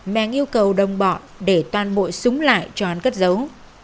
màng yêu cầu đông bọn để toàn bội súng lại cho hắn cất dấu